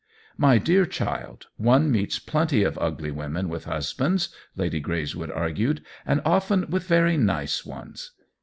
" My dear child, one meets plenty of ugly women with husbands," Lady Greyswood argued, " and often with very nice ones."